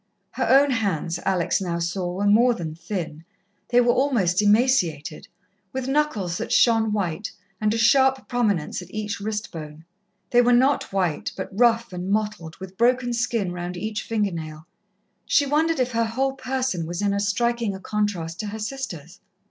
Her own hands, Alex now saw, were more than thin. They were almost emaciated, with knuckles that shone white, and a sharp prominence at each wrist bone. They were not white, but rough and mottled, with broken skin round each finger nail. She wondered if her whole person was in as striking a contrast to her sister's.